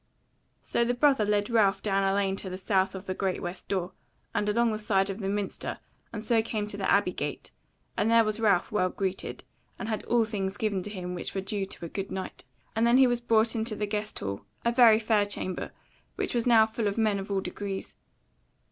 So the brother led Ralph down a lane to the south of the great west door, and along the side of the minster and so came to the Abbey gate, and there was Ralph well greeted, and had all things given him which were due to a good knight; and then was he brought into the Guest hall, a very fair chamber, which was now full of men of all degrees.